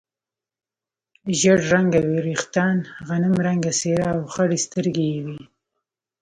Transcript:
ژړ رنګه وریښتان، غنم رنګه څېره او خړې سترګې یې وې.